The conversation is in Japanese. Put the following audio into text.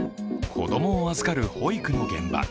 子供を預かる保育の現場。